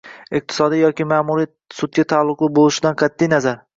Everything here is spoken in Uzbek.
iqtisodiy yoki ma’muriy sudga taalluqli bo‘lishidan qat’i nazar